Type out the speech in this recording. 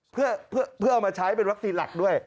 เพื่อเอามาใช้เป็นวัคซีนหลักด้วย